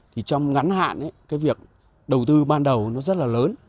thì trong ngắn hạn cái việc đầu tư ban đầu nó rất là lớn